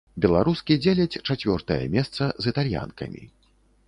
Беларускі дзеляць чацвёртае месца з італьянкамі.